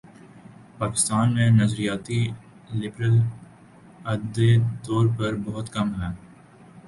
پاکستان میں نظریاتی لبرل عددی طور پر بہت کم ہیں۔